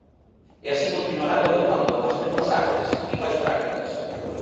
E así continuarán gobernando, as mesmas artes, iguais prácticas.